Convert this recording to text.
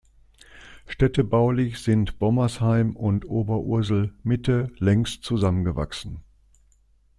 Städtebaulich sind Bommersheim und Oberursel-Mitte längst zusammengewachsen.